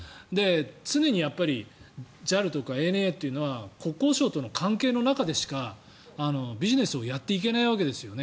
常にＪＡＬとかＡＮＡというのは国交省との関係の中でしかビジネスをやっていけないわけですよね。